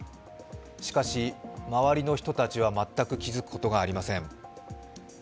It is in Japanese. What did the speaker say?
しかし周りの人たちは全く気付くことがありません。